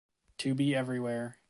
To be everywhere.